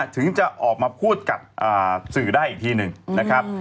ถึงจะออกมาพูดกับสื่อได้อีกทีหนึ่งนะครับ